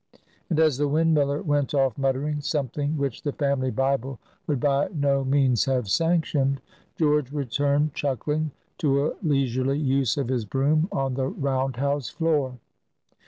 And as the windmiller went off muttering something which the Family Bible would by no means have sanctioned, George returned chuckling to a leisurely use of his broom on the round house floor.